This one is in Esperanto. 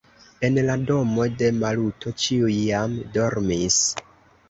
En la domo de Maluto ĉiuj jam dormis.